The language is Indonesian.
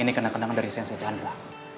ini kena kenangan dari sensya chandra